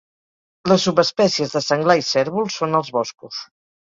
Les subespècies de senglar i cérvol són als boscos.